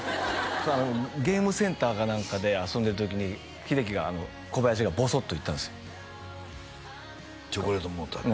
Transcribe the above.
ゲームセンターか何かで遊んでる時に英樹が小林がぼそっと言ったんですチョコレートもろうたって？